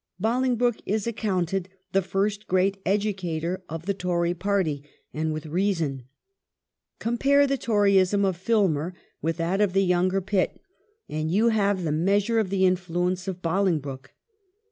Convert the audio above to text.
Bolingbroke is accounted the first great educator of the Tory party, and with reason. Compare the Toryism of Filmer with that of the younger Pitt and you have the measure of the influence of Bolingbroke.